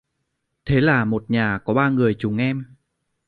Thế Một Nhà có ba người chúng em